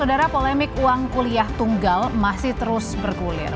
saudara polemik uang kuliah tunggal masih terus bergulir